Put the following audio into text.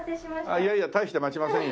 いやいや大して待ちませんよ。